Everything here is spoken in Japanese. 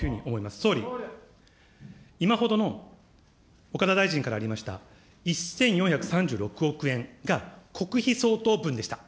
総理、今ほどの岡田大臣からありました、１４３６億円が国費相当分でした。